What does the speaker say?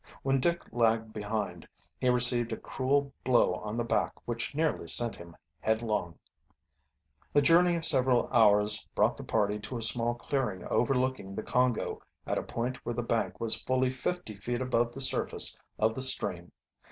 When Dick lagged behind he received a cruel blow on the back which nearly sent him headlong. A journey of several hours brought the party to a small clearing overlooking the Congo at a point where the bank was fully fifty feet above the surface of the stream.